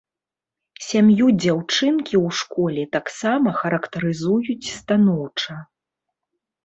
Сям'ю дзяўчынкі ў школе таксама характарызуюць станоўча.